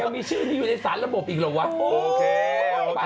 ยังมีชื่อนี้อยู่ในสารระบบอีกหรือเปล่าวะ